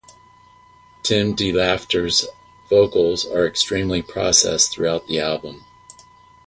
Tim DeLaughter's vocals are extremely processed throughout the album.